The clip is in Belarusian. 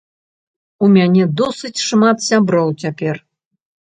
У мяне досыць шмат сяброў цяпер.